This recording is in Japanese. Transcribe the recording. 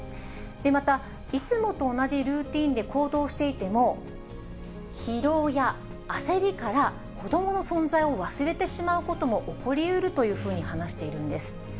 また、いつもと同じルーティンで行動していても、疲労や焦りから、子どもの存在を忘れてしまうことも起こりうるというふうに話しているんです。